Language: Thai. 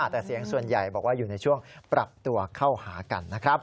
แต่เสียงส่วนใหญ่บอกว่าอยู่ในช่วงปรับตัวเข้าหากันนะครับ